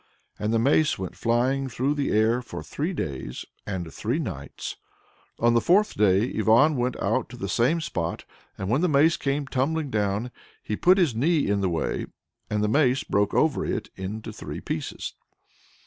And the mace went flying through the air for three days and three nights. On the fourth day Ivan went out to the same spot, and when the mace came tumbling down, he put his knee in the way, and the mace broke over it into three pieces.